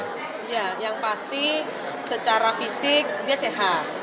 iya yang pasti secara fisik dia sehat